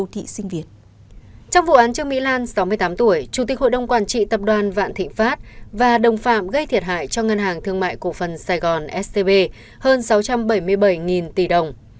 trong vụ án trương mỹ lan sáu mươi tám tuổi chủ tịch hội đồng quản trị tập đoàn vạn thịnh pháp và đồng phạm gây thiệt hại cho ngân hàng thương mại cổ phần sài gòn scb hơn sáu trăm bảy mươi bảy tỷ đồng